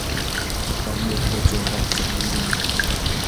tamya killachaw rachakmi yurimun.